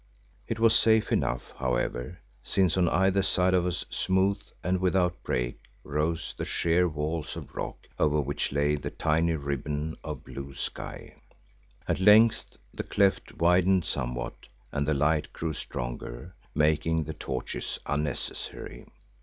It was safe enough, however, since on either side of us, smooth and without break, rose the sheer walls of rock over which lay the tiny ribbon of blue sky. At length the cleft widened somewhat and the light grew stronger, making the torches unnecessary.